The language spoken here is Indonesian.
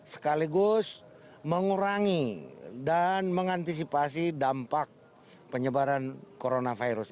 sekaligus mengurangi dan mengantisipasi dampak penyebaran coronavirus